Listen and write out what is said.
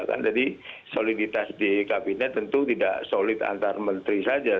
kan jadi soliditas di kabinet tentu tidak solid antar menteri saja